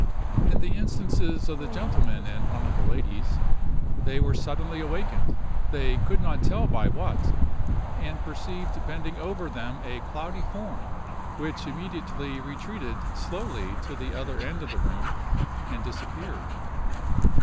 In the instances of the gentlemen and one of the ladies, they were suddenly awakened, they could not tell by what, and perceived bending over them a cloudy form, which immediately retreated slowly to the other end of the room, and disappeared.